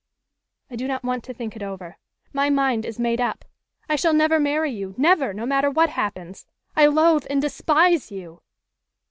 "I do not want to think it over. My mind is made up. I shall never marry you, never, no matter what happens. I loathe and despise you!"